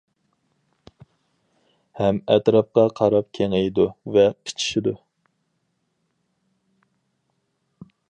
ھەم ئەتراپقا قاراپ كېڭىيىدۇ ۋە قىچىشىدۇ.